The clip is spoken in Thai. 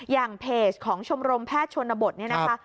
อย่างเพจของชมรมแพทย์ชนบทเนี่ยนะคะ